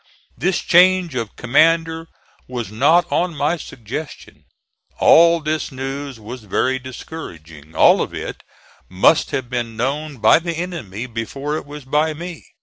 This change of commander was not on my suggestion. All this news was very discouraging. All of it must have been known by the enemy before it was by me.